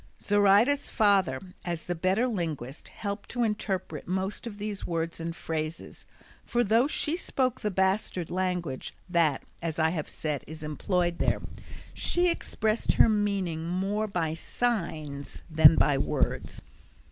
Zoraida's father as the better linguist helped to interpret most of these words and phrases, for though she spoke the bastard language, that, as I have said, is employed there, she expressed her meaning more by signs than by words.